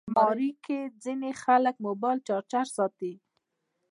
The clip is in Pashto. الماري کې ځینې خلک موبایل چارجر ساتي